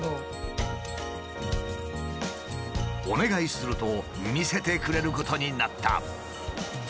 お願いすると見せてくれることになった。